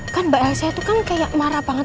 kan mbak elsa itu kan kayak marah banget